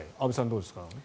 どうですか。